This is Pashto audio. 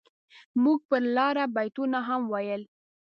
موږ پر لاره بيتونه هم ويل.